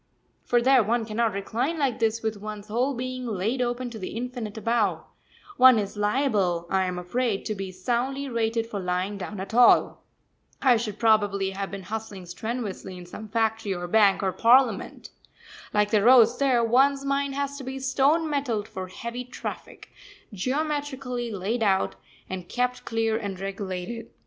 For there one cannot recline like this with one's whole being laid open to the infinite above one is liable, I am afraid, to be soundly rated for lying down at all. I should probably have been hustling strenuously in some factory or bank, or Parliament. Like the roads there, one's mind has to be stone metalled for heavy traffic geometrically laid out, and kept clear and regulated.